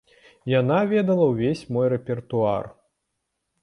Яна ведала ўвесь мой рэпертуар.